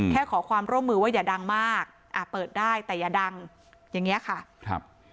ขอความร่วมมือว่าอย่าดังมากอ่าเปิดได้แต่อย่าดังอย่างเงี้ยค่ะครับ